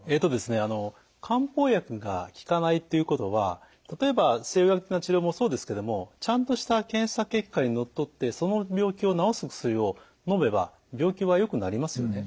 あの漢方薬が効かないということは例えば西洋医学的な治療もそうですけどもちゃんとした検査結果にのっとってその病気を治す薬をのめば病気はよくなりますよね。